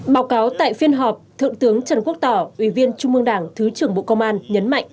báo cáo tại phiên họp thượng tướng trần quốc tỏ ủy viên trung mương đảng thứ trưởng bộ công an nhấn mạnh